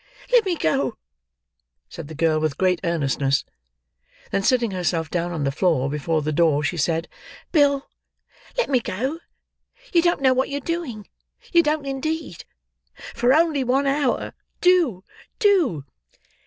"Let me go," said the girl with great earnestness; then sitting herself down on the floor, before the door, she said, "Bill, let me go; you don't know what you are doing. You don't, indeed. For only one hour—do—do!"